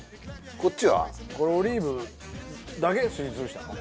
これオリーブだけすりつぶしたの？